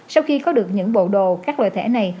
sau khi có được những bộ đồ các loại thẻ này